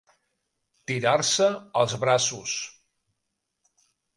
Tirar-se als braços.